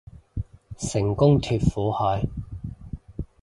成功脫苦海